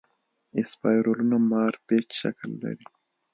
اسپایرلونه مارپیچ شکل لري.